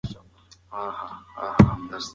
پوهه د فقر مخه نیسي.